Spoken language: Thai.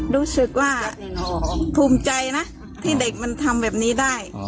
รู้สึกว่าภูมิใจนะที่เด็กมันทำแบบนี้ได้